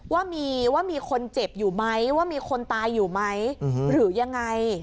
ว่ามีว่ามีคนเจ็บอยู่ไหมว่ามีคนตายอยู่ไหมหรือยังไง